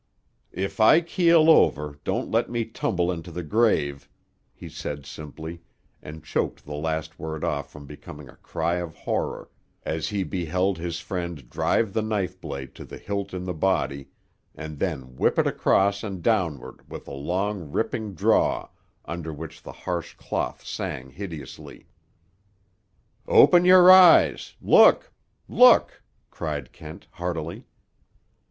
"If I keel over, don't let me tumble into the grave," he said simply, and choked the last word off from becoming a cry of horror as he beheld his friend drive the knife blade to the hilt in the body, and then whip it across and downward with a long ripping draw under which the harsh cloth sang hideously. "Open your eyes! Look! Look!" cried Kent heartily.